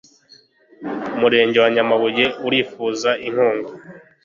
umurenge wa nyamabuye arifuza inkunga